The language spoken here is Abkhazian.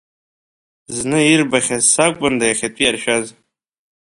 Зны ирбахьаз сакәында иахьатәи иаршәаз.